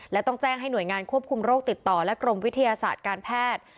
และต้องแจ้งให้หน่วยงานควบคุมโรคติดต่อและกรมวิทยาศาสตร์การแพทย์